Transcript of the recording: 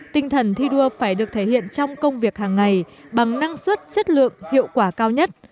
tinh thần thi đua phải được thể hiện trong công việc hàng ngày bằng năng suất chất lượng hiệu quả cao nhất